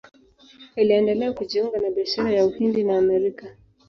Iliendelea kujiunga na biashara ya Uhindi na Amerika.